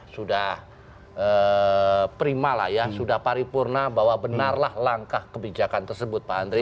sudah prima lah ya sudah paripurna bahwa benarlah langkah kebijakan tersebut pak andri